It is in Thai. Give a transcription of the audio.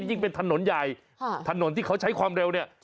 ยิ่งเป็นถนนใหญ่ถนนที่เขาใช้ความเร็วเนี่ย